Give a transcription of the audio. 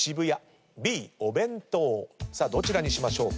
どちらにしましょうか？